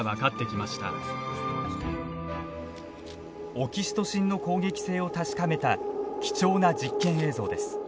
オキシトシンの攻撃性を確かめた貴重な実験映像です。